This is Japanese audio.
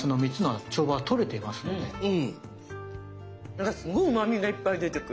なんかすごいうまみがいっぱい出てくる。